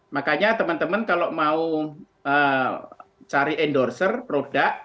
makanya teman teman kalau mau cari endorser produk